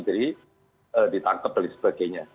jadi ditangkap dan sebagainya